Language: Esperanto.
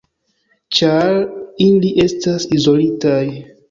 Ĉar ili estas izolitaj.